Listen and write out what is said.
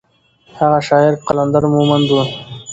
هغه شاعر قلندر مومند و.